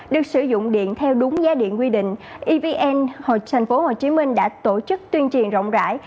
được sử dụng điện theo đúng giá điện quy định evn thành phố hồ chí minh đã tổ chức tuyên triền rộng rãi